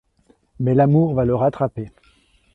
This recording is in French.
Mais l'amour va le rattraper.